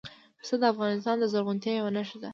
پسه د افغانستان د زرغونتیا یوه نښه ده.